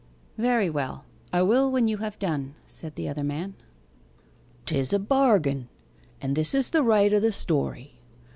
'Very well I will when you have done,' said the other man. ''Tis a bargain; and this is the right o' the story.